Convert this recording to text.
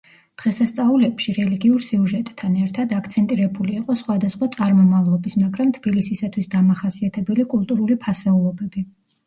დღესასწაულებში, რელიგიურ სიუჟეტთან ერთად, აქცენტირებული იყო სხვადასხვა წარმომავლობის, მაგრამ თბილისისათვის დამახასიათებელი კულტურული ფასეულობები.